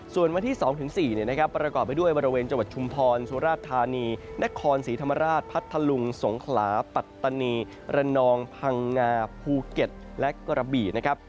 ส่วนวันที่๒๔นะครับประกอบไปด้วยบริเวณจังหวัดชุมพรสุราชธานีนครศรีธรรมราชพัทธลุงสงขลาปัตตานีระนองพังงาภูเก็ตและกระบี่นะครับ